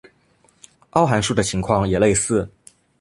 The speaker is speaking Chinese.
凹函数的情况也类似。